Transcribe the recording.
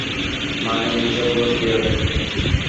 মানে, এসব হলো কীভাবে?